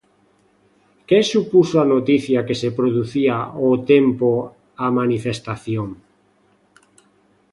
Que supuxo a noticia que se producía ao tempo a manifestación?